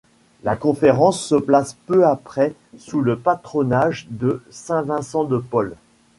La conférence se place peu après sous le patronage de saint Vincent de Paul.